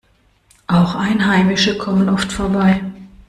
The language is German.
Auch Einheimische kommen oft vorbei.